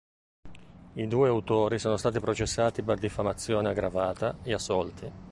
I due autori sono stati processati per diffamazione aggravata e assolti.